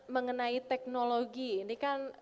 mengenai teknologi ini kan